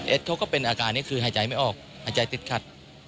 เขาก็เป็นอาการนี้คือหายใจไม่ออกหายใจติดขัด